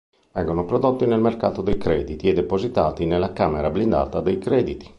Vengono prodotti nel mercato dei crediti e depositati nella camera blindata dei crediti.